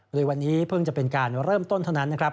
โดยวันนี้เพิ่งจะเป็นการเริ่มต้นเท่านั้นนะครับ